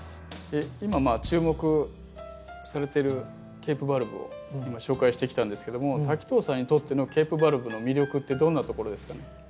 今注目されてるケープバルブを今紹介してきたんですけども滝藤さんにとってのケープバルブの魅力ってどんなところですかね？